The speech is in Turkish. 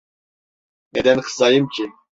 Neden kızayım ki?